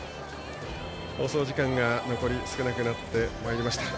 放送時間が残り少なくなってまいりました。